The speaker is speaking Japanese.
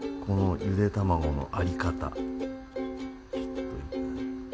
このゆで卵のありかた。